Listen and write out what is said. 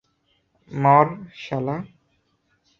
মর, শালা।